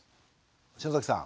篠崎さん